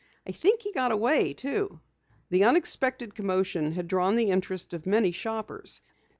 "I think he got away too!" The unexpected commotion had drawn the interest of many shoppers.